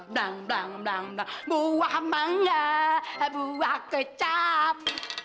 blang blang blang blang buah mangga buah kecap